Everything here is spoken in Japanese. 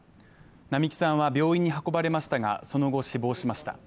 並木さんは病院に運ばれましたがその後死亡しました。